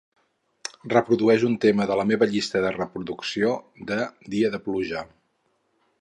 Reprodueix un tema de la meva llista de reproducció de "dia de pluja".